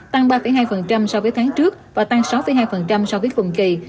tăng ba hai so với tháng trước và tăng sáu hai so với cùng kỳ